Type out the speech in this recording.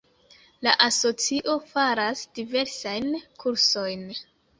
La asocio faras diversajn kursojn.